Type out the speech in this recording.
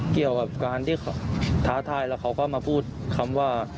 เกี่ยวกับการที่เขาท้าทายแล้วเขาก็มาพูดคำว่า